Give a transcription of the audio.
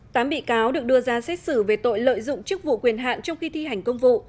tám bị cáo được đưa ra xét xử về tội lợi dụng chức vụ quyền hạn trong khi thi hành công vụ